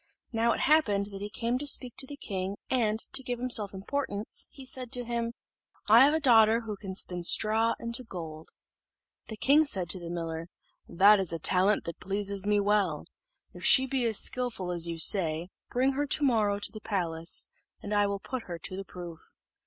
Now, it happened that he came to speak to the king, and, to give himself importance, he said to him, "I have a daughter who can spin straw into gold." The king said to the miller, "That is a talent that pleases me well; if she be as skilful as you say, bring her to morrow to the palace, and I will put her to the proof."